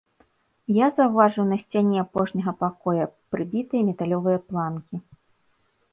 Я заўважыў на сцяне апошняга пакоя прыбітыя металёвыя планкі.